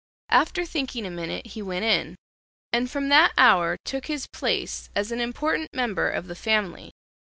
After thinking a minute he went in, and from that hour took his place as an important member of the family.